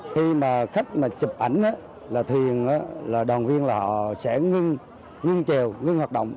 khi mà khách mà chụp ảnh là thuyền là đoàn viên là họ sẽ ngưng chèo ngưng hoạt động